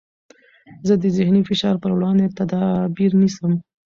زه د ذهني فشار پر وړاندې تدابیر نیسم.